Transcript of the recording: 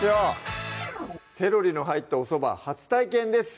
セロリの入ったおそば初体験です